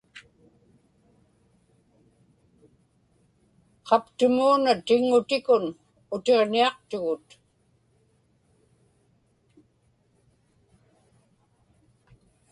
qaptumuuna tiŋŋutikun utiġniaqtugut